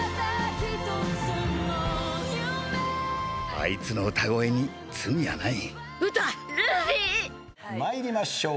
「あいつの歌声に罪はない」「ウタ」「ルフィ」参りましょう。